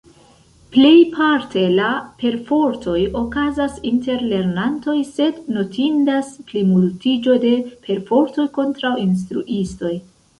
Plejparte la perfortoj okazas inter lernantoj, sed notindas plimultiĝo de perfortoj kontraŭ instruistoj.